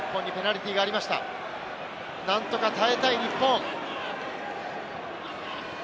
何とか耐えたい日本。